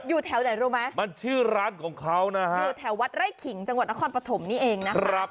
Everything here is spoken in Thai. อยู่แถวไหนรู้ไหมอยู่แถววัดไร่ขิงจังหวัดนครปฐมนี่เองนะคะ